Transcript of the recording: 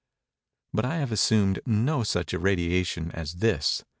But I have assumed no such irradiation as this.